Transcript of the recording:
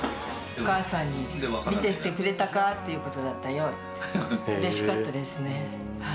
お母さんに、見ていてくれたかっていうことだったようです。